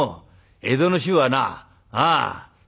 江戸の衆はなあああ